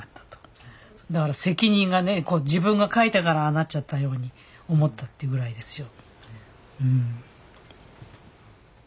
だから責任がね自分が書いたからああなっちゃったように思ったっていうぐらいですよ。